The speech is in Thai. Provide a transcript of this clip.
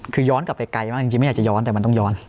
คือย้อนกลับไปไกลมากจริงไม่อยากจะย้อนแต่มันต้องย้อน